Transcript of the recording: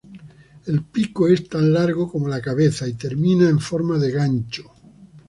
El pico es tan largo como la cabeza y termina en forma de gancho.